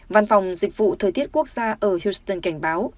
văn phòng dịch vụ thời tiết quốc gia ở houston cảnh báo